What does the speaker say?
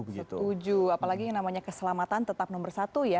setuju apalagi yang namanya keselamatan tetap nomor satu ya